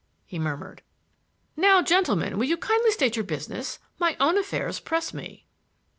he murmured. "Now, gentlemen, will you kindly state your business? My own affairs press me."